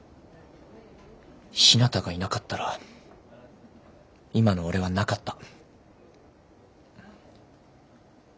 ひなたがいなかったら今の俺はなかった。